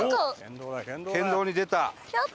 県道に出た。